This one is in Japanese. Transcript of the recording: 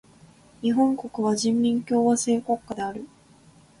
日本国は人民共和制国家である。